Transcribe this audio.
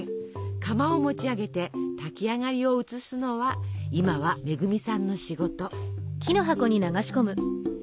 釜を持ち上げて炊き上がりを移すのは今は恵さんの仕事。